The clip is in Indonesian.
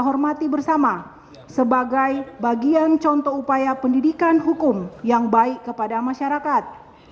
hormati bersama sebagai bagian contoh upaya pendidikan hukum yang baik kepada masyarakat